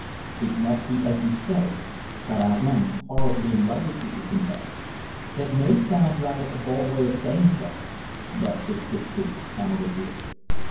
"It must be as you say, but I am horribly in love with you," he confessed. "That may sound rather a bald way of saying so, but it's the truth, Pamela, dear."